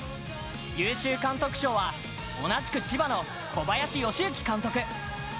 優秀監督賞は同じく千葉の小林慶行監督。